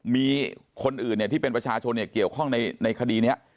มีคนอื่นที่เป็นประชาชนเกี่ยวข้องในคดีนี้